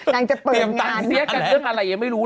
นางจะเปิดงานเตรียมต่างเสียกันเรื่องอะไรยังไม่รู้เลย